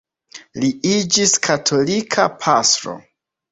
Li iĝis katolika pastro.